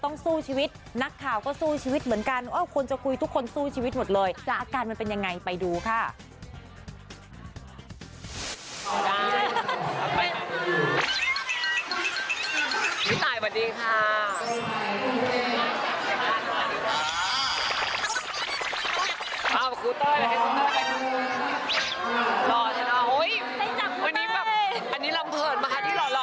อันนี้แบบอันนี้ลำเผิดมาค่ะที่หล่อค่ะ